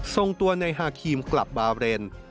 ทรงตัวนายฮาคีมกลับบาเวร